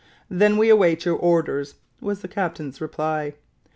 "Then we await your orders," was the captain's reply.